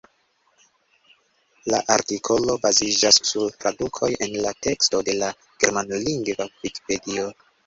La artikolo baziĝas sur tradukoj el la teksto de la germanlingva vikipedio.